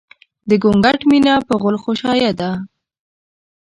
د ګونګټ مينه په غول غوشايه ده